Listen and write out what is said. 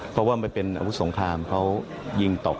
เพราะว่ามันเป็นอาวุธสงครามเขายิงตก